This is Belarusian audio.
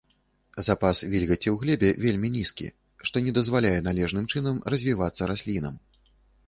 Запас вільгаці ў глебе вельмі нізкі, што не дазваляе належным чынам развівацца раслінам.